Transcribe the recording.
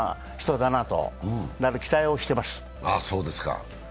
だから期待をしています。